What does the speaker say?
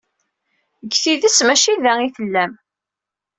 Deg tidet, maci da ay tellam.